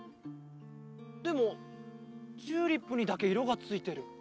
でもチューリップにだけいろがついてる。